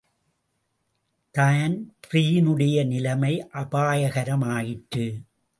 தான்பிரீனுடைய நிலைமை அபாயகர மாயிற்று.